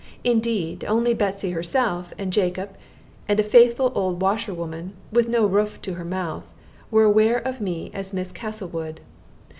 Indeed, only Betsy herself and Jacob and a faithful old washer woman, with no roof to her mouth, were aware of me as Miss Castlewood.